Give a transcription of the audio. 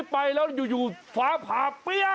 ไปแล้วอยู่ฟ้าผ่าเปี้ย